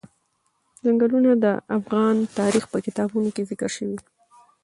چنګلونه د افغان تاریخ په کتابونو کې ذکر شوی دي.